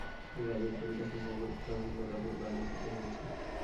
রাই এর পরিবেশ ও ভৌগোলিক সহনশীলতা পুর্বে আলোচিত হয়েছে।